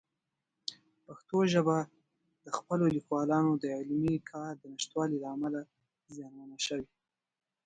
پښتو ژبه د خپلو لیکوالانو د علمي کار د نشتوالي له امله زیانمنه شوې.